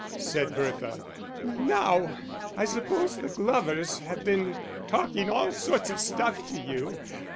said Bertha. "Now I suppose the Glovers have been talking all sorts of stuff to you.